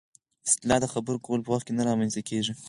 اصطلاح د خبرو کولو په وخت کې نه رامنځته کېږي